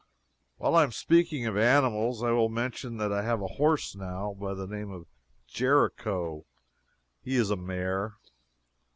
While I am speaking of animals, I will mention that I have a horse now by the name of "Jericho." He is a mare.